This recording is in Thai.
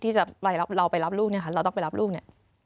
ที่เราไปรับลูกเนี่ยค่ะเราต้องไปรับลูกเนี่ย